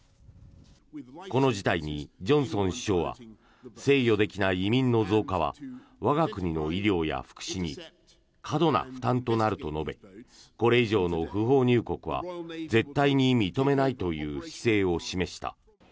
この事態にジョンソン首相は制御できない移民の増加は我が国の医療や福祉に過度な負担となると述べこれ以上の不法入国は絶対に認めないという姿勢を示した。